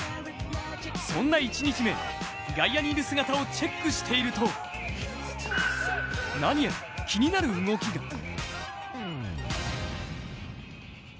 そんな１日目、外野にいる姿をチェックしていると、何やら気になる動きが。